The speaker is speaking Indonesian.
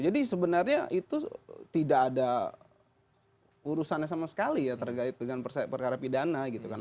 jadi sebenarnya itu tidak ada urusannya sama sekali ya terkait dengan perkara pidana gitu kan